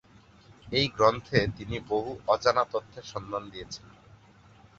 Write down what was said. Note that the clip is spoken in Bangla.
এই গ্রন্থে তিনি বহু অজানা তথ্যের সন্ধান দিয়েছেন।